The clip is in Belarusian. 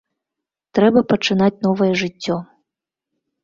Трэба пачынаць новае жыццё.